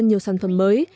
nhiều sản phẩm mới